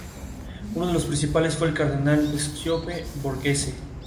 Rara vez se puede generar dolor por lesión del nervio intercostal.